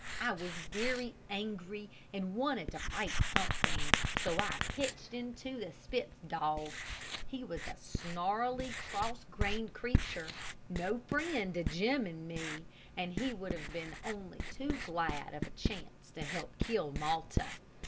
I was very angry and wanted to fight something, so I pitched into the Spitz dog. He was a snarly, cross grained creature, no friend to Jim and me, and he would have been only too glad of a chance to help kill Malta.